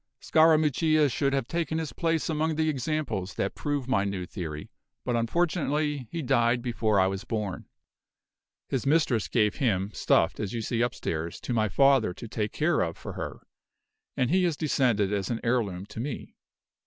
"Scarammuccia should have taken his place among the examples that prove my new theory; but unfortunately he died before I was born. His mistress gave him, stuffed, as you see upstairs, to my father to take care of for her, and he has descended as an heirloom to me.